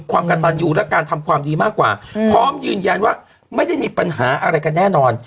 ความกระตันยูและการทำความดีมากกว่าพร้อมยืนยันว่าไม่ได้มีปัญหาอะไรกันแน่นอน